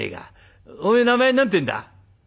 おめえ名前何ていうんだ？」。